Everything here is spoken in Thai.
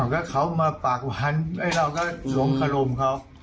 อ้าวก็เขามาปากหวานไอ้เราก็หลมขลมเขา